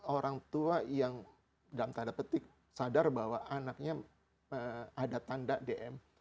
orang tua yang dalam tanda petik sadar bahwa anaknya ada tanda dm